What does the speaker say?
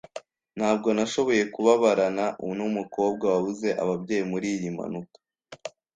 Ntabwo nashoboye kubabarana numukobwa wabuze ababyeyi muriyi mpanuka.